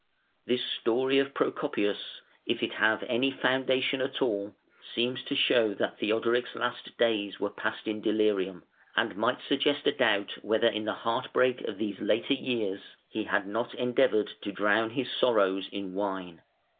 ] This story of Procopius, if it have any foundation at all, seems to show that Theodoric's last days were passed in delirium, and might suggest a doubt whether in the heart break of these later years he had not endeavoured to drown his sorrows in wine.